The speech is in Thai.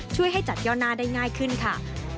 ช่วยให้จัดย่อหน้าได้ง่ายขึ้นค่ะ